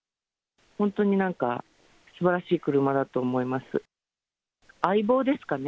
本当になんか、すばらしい車だと思います。